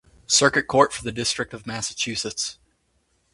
Circuit Court for the District of Massachusetts.